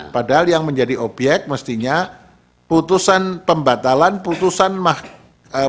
padahal yang menjadi obyek mestinya putusan pembatalan putusan mahkamah konstitusi